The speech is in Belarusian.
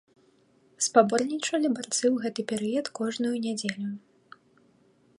Спаборнічалі барцы ў гэты перыяд кожную нядзелю.